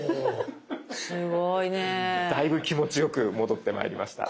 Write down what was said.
だいぶ気持ちよく戻ってまいりました。